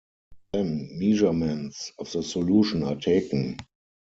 Then measurements of the solution are taken.